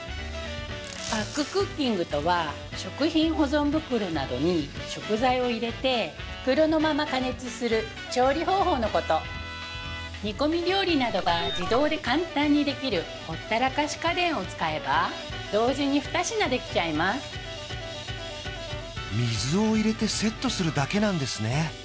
パッククッキングとは食品保存袋などに食材を入れて袋のまま加熱する調理方法のこと煮こみ料理などが自動で簡単にできるほったらかし家電を使えば同時に二品できちゃいます水を入れてセットするだけなんですね